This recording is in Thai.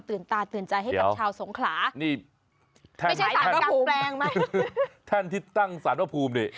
ท่านที่ตั้งสารพระภูมิดิ